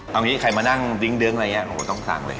ตรงนี้ใครมานั่งดิ๊งเดื้องอะไรอย่างนี้ต้องสั่งเลย